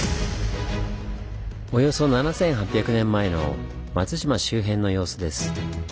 およそ７，８００年前の松島周辺の様子です。